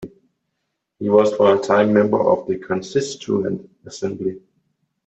He was for a time a member of the Constituent Assembly.